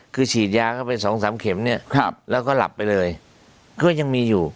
คือฉีดยาเข้าไปสองสามเข็มเนี่ยครับแล้วก็หลับไปเลยก็ยังมีอยู่